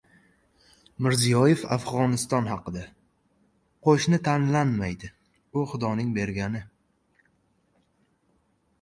Mirziyoyev Afg‘oniston haqida: Qo‘shni tanlanmaydi, u Xudoning bergani